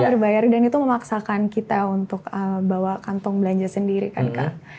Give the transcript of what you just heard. terbayar dan itu memaksakan kita untuk bawa kantong belanja sendiri kan kak